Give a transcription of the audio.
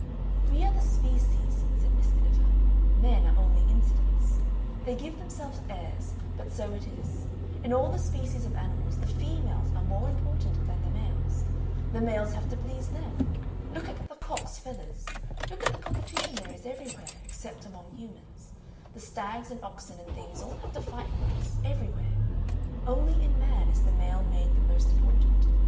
"We are the species," said Miss Miniver, "men are only incidents. They give themselves airs, but so it is. In all the species of animals the females are more important than the males; the males have to please them. Look at the cock's feathers, look at the competition there is everywhere, except among humans. The stags and oxen and things all have to fight for us, everywhere. Only in man is the male made the most important.